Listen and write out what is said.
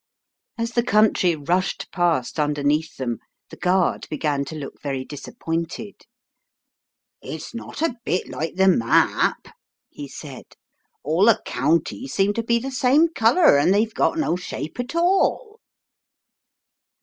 As the country rushed past underneath them, the guard began to look very disappointed. "It's not a bit like the map," he said ;" all the counties seem to be the same colour, and they've got no shape at all."